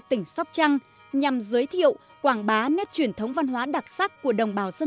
tỉnh sóc trăng nhằm giới thiệu quảng bá nét truyền thống văn hóa đặc sắc của đồng bào dân